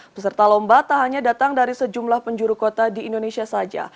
peserta lomba tak hanya datang dari sejumlah penjuru kota di indonesia saja